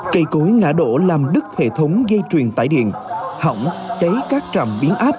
cây cối ngã đổ làm đứt hệ thống dây truyền tải điện hỏng cháy các trạm biến áp